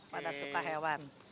pada suka hewan